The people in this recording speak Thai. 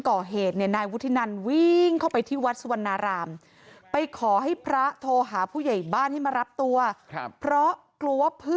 ก็ไหวต้นมาหลบต้นก็ต้นลงมาก็มันไหวพูดมึงจะไม่ต้องกลัวว่า